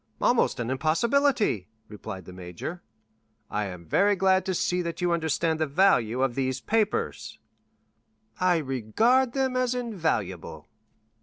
"Almost an impossibility," replied the major. "I am very glad to see that you understand the value of these papers." "I regard them as invaluable."